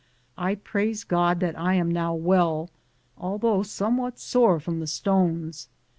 I praise God that I am now well, although somewhat sore from the stones.